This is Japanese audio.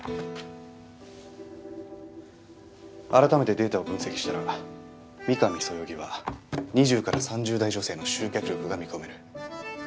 改めてデータを分析したら御神そよぎは２０から３０代女性の集客力が見込める。